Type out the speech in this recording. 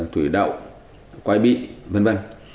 thủy đậu quai bị v v